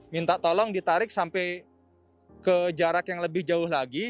minta tolong ditarik sampai ke jarak yang lebih jauh lagi